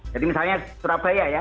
jadi misalnya surabaya ya